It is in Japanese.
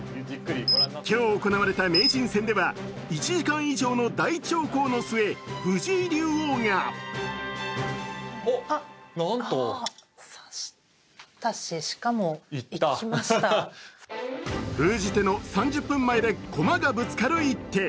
今日行われた名人戦では１時間以上の大長考の末藤井竜王が封じ手の３０分前で駒がぶつかる一手。